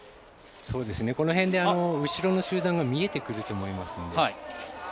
ここらで後ろの集団が見えてくると思いますので。